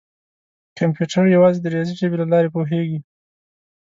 کمپیوټر یوازې د ریاضي ژبې له لارې پوهېږي.